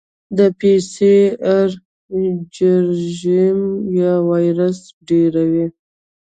د پی سي ار جراثیم یا وایرس ډېروي.